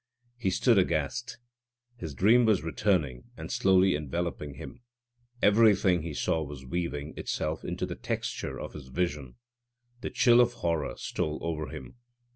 He stood aghast. His dream was returning and slowly enveloping him. Everything he saw was weaving itself into the texture of his vision. The chill of horror stole over him.